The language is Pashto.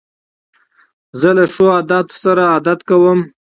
زه له ښو عادتو سره عادت کوم.